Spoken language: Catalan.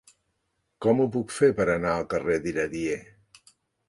Com ho puc fer per anar al carrer d'Iradier?